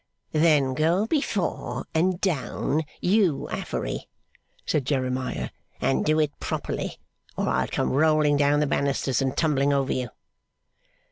'Then go before, and down, you Affery,' said Jeremiah. 'And do it properly, or I'll come rolling down the banisters, and tumbling over you!